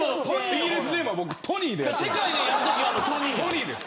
イギリスネームは僕トニーです。